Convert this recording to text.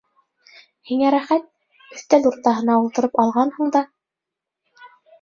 Һиңә рәхәт, өҫтәл уртаһына ултырып алғанһың да!..